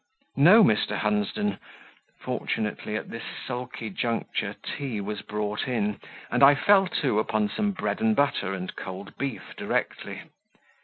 "No, Mr. Hunsden." Fortunately at this sulky juncture, tea, was brought in, and I fell to upon some bread and butter and cold beef directly.